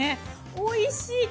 おいしい！